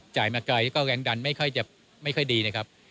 มาไกลแล้วก็แรงดันไม่ค่อยดีนะครับ